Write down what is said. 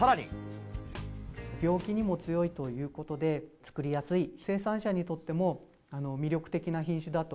病気にも強いということで、作りやすい、生産者にとっても魅力的な品種だと。